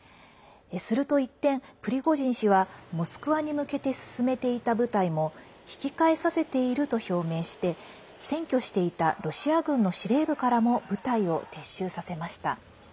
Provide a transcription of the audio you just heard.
すると一転、プリゴジン氏はモスクワに向けて進めていた部隊も引き返させていると表明して占拠していたロシア軍の司令部からも部隊を撤収させました。